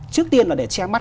trước tiên là để che mắt